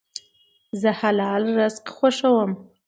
زه حلال رزق خوښوم.